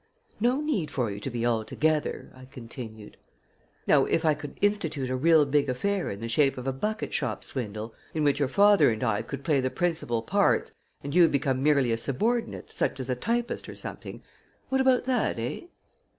"No need for you to be, altogether!" I continued. "Now if I could institute a real big affair in the shape of a bucketshop swindle, in which your father and I could play the principal parts and you become merely a subordinate, such as a typist or something what about that, eh?"